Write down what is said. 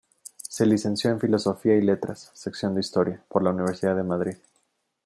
Se licenció en Filosofía y Letras, Sección de Historia, por la Universidad de Madrid.